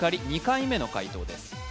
２回目の解答です